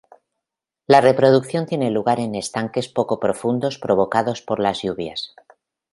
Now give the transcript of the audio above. La reproducción tiene lugar en estanques poco profundos provocados por las lluvias.